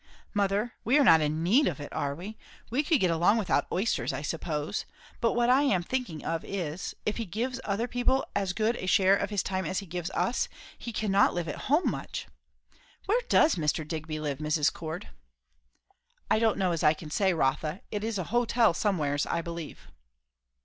"Mother, we are not in need of it, are we? We could get along without oysters, I suppose. But what I am thinking of is, if he gives other people as good a share of his time as he gives us, he cannot live at home much. Where does Mr. Digby live, Mrs. Cord?" "I don't know as I can say, Rotha. It is a hotel somewheres, I believe."